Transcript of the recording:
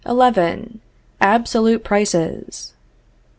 XI. ABSOLUTE PRICES.